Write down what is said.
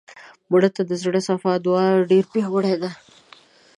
مړه ته د زړه صفا دعا ډېره پیاوړې ده